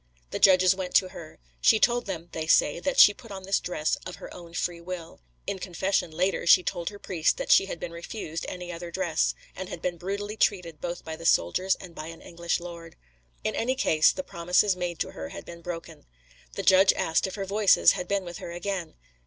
The judges went to her. She told them (they say) that she put on this dress of her own free will. In confession, later, she told her priest that she had been refused any other dress, and had been brutally treated both by the soldiers and by an English lord. In any case, the promises made to her had been broken. The judge asked her if her Voices had been with her again.